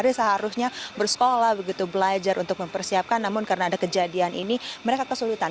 mereka seharusnya bersekolah begitu belajar untuk mempersiapkan namun karena ada kejadian ini mereka kesulitan